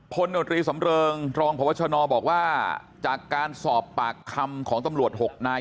โนตรีสำเริงรองพบชนบอกว่าจากการสอบปากคำของตำรวจ๖นาย